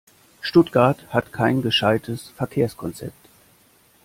Stuttgart hat kein gescheites Verkehrskonzept.